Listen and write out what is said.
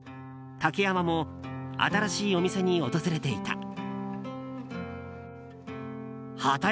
竹山も新しいお店に訪れていた。